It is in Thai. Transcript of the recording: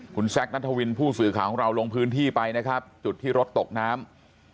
คุณแซคนัทวินผู้สื่อข่าวของเราลงพื้นที่ไปนะครับจุดที่รถตกน้ำ